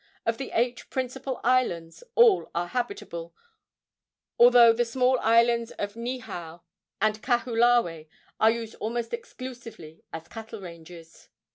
Of the eight principal islands all are habitable, although the small islands of Niihau and Kahoolawe are used almost exclusively as cattle ranges.